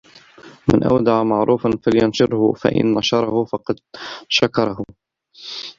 مَنْ أَوْدَعَ مَعْرُوفًا فَلْيَنْشُرْهُ فَإِنْ نَشَرَهُ فَقَدْ شَكَرَهُ